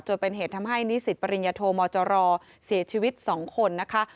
จนเป็นเหตุทำให้นิสิตปริญญโทมจรเสียชีวิต๒คนนะคะ